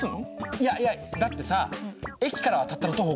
いやいやだってさ駅からはたったの徒歩５分でしょ。